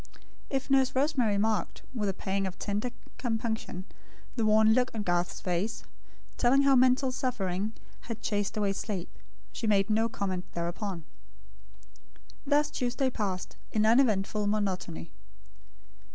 If Nurse Rosemary marked, with a pang of tender compunction, the worn look on Garth's face, telling how mental suffering had chased away sleep; she made no comment thereupon. Thus Tuesday passed, in uneventful monotony.